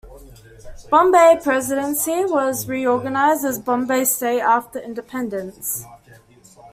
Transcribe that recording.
Bombay Presidency was reorganised as Bombay State after independence.